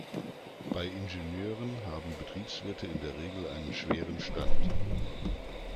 Bei Ingenieuren haben Betriebswirte in der Regel einen schweren Stand.